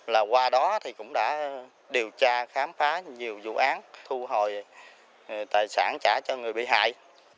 là qua đó thì cũng đã điều tra khám phá nhiều vụ án thu hồi tài sản trả cho người bị hại